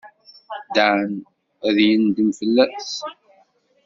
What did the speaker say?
Dan ad yendem fell-as.